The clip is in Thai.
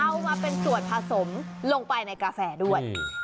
เอามาเป็นส่วนผสมลงไปในกาแฟด้วย